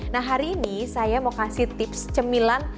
nah hari ini saya mau kasih tips cemilan